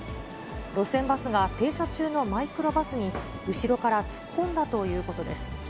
路線バスが停車中のマイクロバスに後ろから突っ込んだということです。